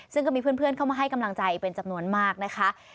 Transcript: ซึ่งก็มีเพื่อนเข้ามาให้กำลังใจเป็นจำนวนมากนะคะ